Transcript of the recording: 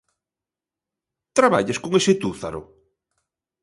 Traballas con ese túzaro?